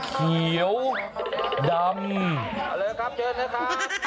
เขียวดำ